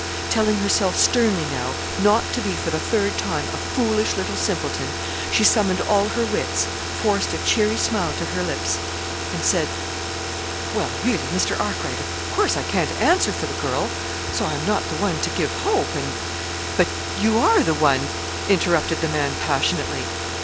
Telling herself sternly now not to be for the third time a "foolish little simpleton," she summoned all her wits, forced a cheery smile to her lips, and said: "Well, really, Mr. Arkwright, of course I can't answer for the girl, so I'm not the one to give hope; and " "But you are the one," interrupted the man, passionately.